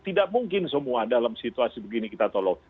tidak mungkin semua dalam situasi begini kita tolong